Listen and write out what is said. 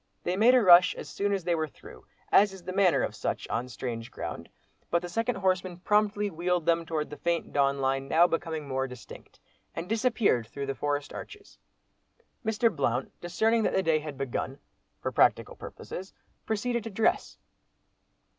They made a rush as soon as they were through, as is the manner of such, on strange ground—but the second horseman promptly "wheeled" them towards the faint dawn line now becoming more distinct, and disappeared through the forest arches. Mr. Blount discerning that the day had begun, for practical purposes, proceeded to dress.